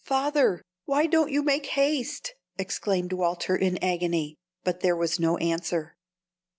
"Father, why don't you make haste?" exclaimed Walter in agony. But there was no answer.